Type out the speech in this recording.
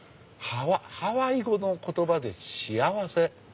ハワイ語の言葉で「幸せ」。